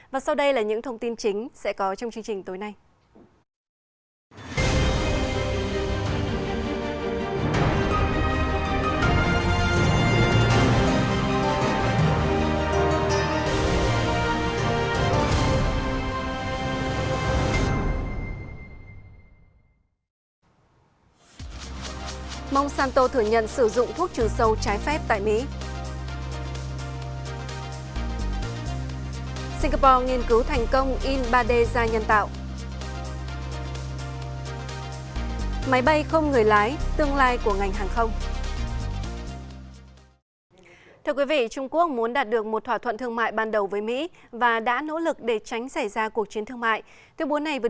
và sau đây là những thông tin chính sẽ có trong chương trình tối nay